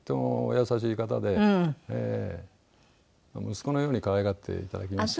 息子のように可愛がっていただきました。